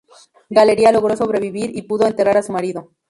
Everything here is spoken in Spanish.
Galeria logró sobrevivir y pudo enterrar a su marido.